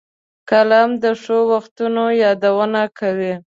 قلم د ښو وختونو یادونه کوي